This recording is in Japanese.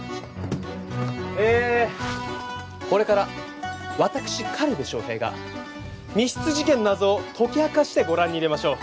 えこれから私軽部翔平が密室事件の謎を解き明かしてご覧に入れましょう。